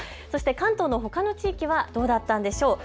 関東のほかの地域はどうだったんでしょうか。